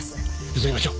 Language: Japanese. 急ぎましょう。